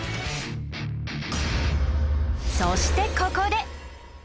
そしてここで！